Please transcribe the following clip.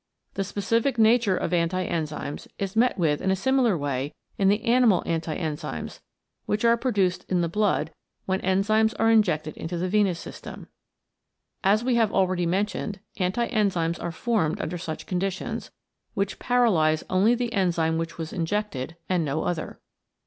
The specific nature of anti enzymes is met with in a similar way in the animal anti enzymes which are produced in the blood when enzymes are injected into the venous system. As we have already mentioned, anti enzymes are formed under such conditions, which paralyse only the enzyme which was injected, and no other.